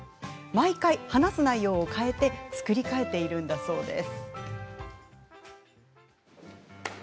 毎回、話す内容を変え作り替えているんだそうです。